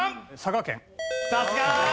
さすが！